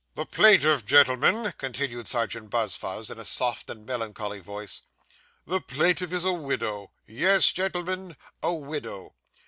'The plaintiff, gentlemen,' continued Serjeant Buzfuz, in a soft and melancholy voice, 'the plaintiff is a widow; yes, gentlemen, a widow.